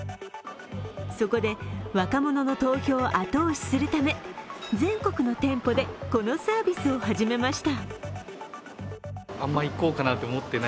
そこで、若者の投票を後押しするため、全国の店舗でこのサービスを始めました。